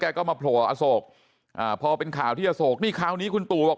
ก็มาโผล่อโศกอ่าพอเป็นข่าวที่อโศกนี่คราวนี้คุณตู่บอก